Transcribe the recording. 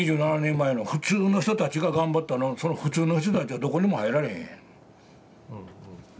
２７年前の普通の人たちが頑張ったのその普通の人たちはどこにも入られへんやん。